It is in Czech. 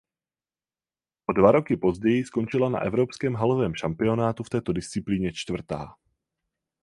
O dva roky později skončila na evropském halovém šampionátu v této disciplíně čtvrtá.